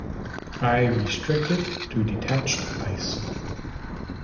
I restrict it to detached ice.